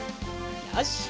よし！